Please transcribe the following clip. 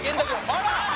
あら！